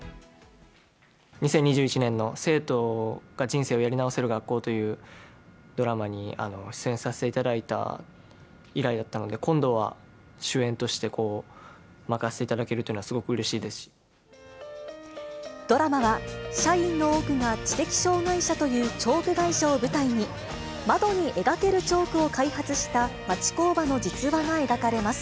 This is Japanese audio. ２０２１年の、生徒が人生をやり直せる学校というドラマに出演させていただいた以来だったので、今度は主演として任せていただけるというのは、ドラマは、社員の多くが知的障がい者というチョーク会社を舞台に、窓に描けるチョークを開発した町工場の実話が描かれます。